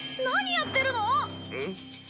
何やってるの？